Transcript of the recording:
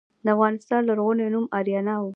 د افغانستان لرغونی نوم اریانا و